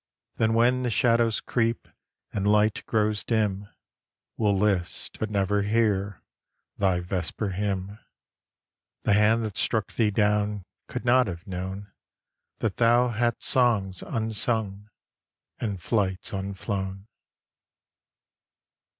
Then when the shadows creep, And light grows dim, We'll list, but never hear, Thy vesper hymn. The hand that struck thee down Could not have known That thou hadst songs unsung And flights unflown.